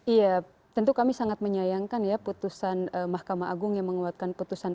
iya tentu kami sangat menyayangkan ya putusan mahkamah agung yang menguatkan putusan